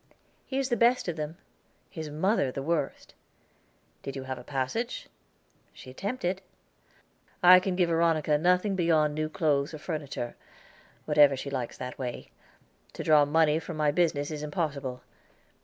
"He is the best of them, his mother the worst." "Did you have a passage?" "She attempted." "I can give Veronica nothing beyond new clothes or furniture; whatever she likes that way. To draw money from my business is impossible.